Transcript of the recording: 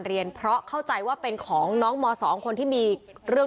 เรียนเพราะเข้าใจว่าเป็นของน้องม๒คนที่มีเรื่อง